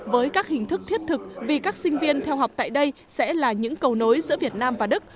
với các hình thức thiết thực vì các sinh viên theo học tại đây sẽ là những cầu nối giữa việt nam và đức